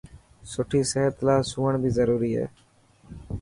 سٺي صحت لاءِ سوڻ بي ضروري هي.